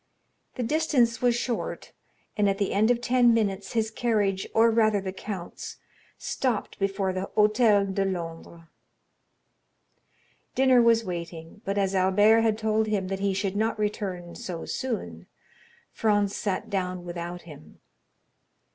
The distance was short, and at the end of ten minutes his carriage, or rather the count's, stopped before the Hôtel de Londres. Dinner was waiting, but as Albert had told him that he should not return so soon, Franz sat down without him.